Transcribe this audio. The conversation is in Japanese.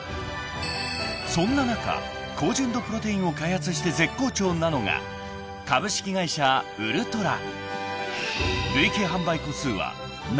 ［そんな中高純度プロテインを開発して絶好調なのが株式会社ＵＬＴＯＲＡ］